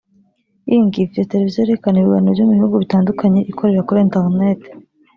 Inc ifite televiziyo yerekana ibiganiro byo mu bihugu bitandukanye ikorera kuri internet